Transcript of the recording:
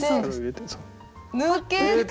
抜けた！